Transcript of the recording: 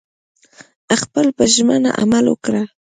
خپل په ژمنه عمل وکړه